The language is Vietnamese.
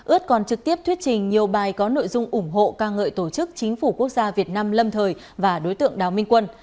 ớt còn trực tiếp thuyết trình nhiều bài có nội dung ủng hộ ca ngợi tổ chức chính phủ quốc gia việt nam lâm thời và đối tượng đào minh quân